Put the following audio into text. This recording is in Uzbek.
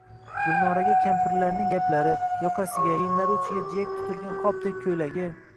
Gulnoraga kampirning gaplari, yoqasiga, yenglari uchiga jiyak tutilgan qopdek koʼylagi